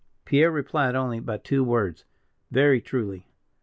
Pierre replied only by two words "Very truly."